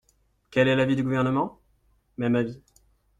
Quel est l’avis du Gouvernement ? Même avis.